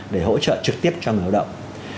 để hỗ trợ trực tiếp cho người lao động